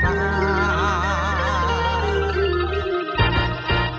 เพื่อพลังสะท้าของคนลูกทุก